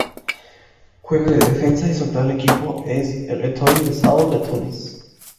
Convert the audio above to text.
Juega de defensa y su actual equipo es el Etoile du Sahel de Túnez.